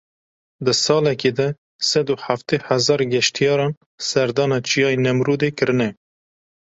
Di salekê de sed û heftê hezar geştyaran serdana Çiyayê Nemrûdê kirine.